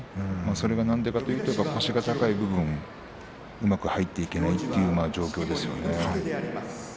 それがなぜかというと腰が高い分うまく入っていけないという状況です。